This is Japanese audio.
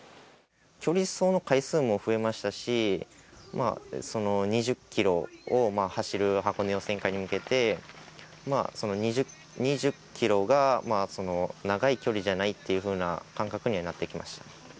距離走の回数も増えましたし、２０キロを走る箱根予選会に向けて、その２０キロが長い距離じゃないっていうふうな感覚にはなってきました。